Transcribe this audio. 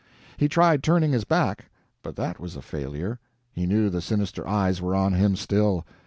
He tried turning his back, but that was a failure; he knew the sinister eyes were on him still.